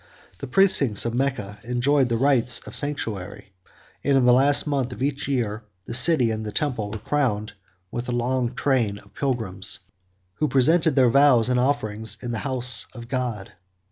48 The precincts of Mecca enjoyed the rights of sanctuary; and, in the last month of each year, the city and the temple were crowded with a long train of pilgrims, who presented their vows and offerings in the house of God.